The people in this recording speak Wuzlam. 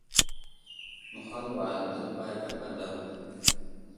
Mehwal wal aləɓay gapa daw.